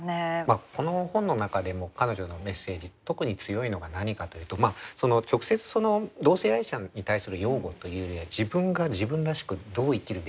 この本の中でも彼女のメッセージ特に強いのが何かというと直接その同性愛者に対する擁護というよりは自分が自分らしくどう生きるべきなのか。